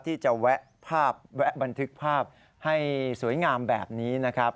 ที่จะแวะภาพแวะบันทึกภาพให้สวยงามแบบนี้นะครับ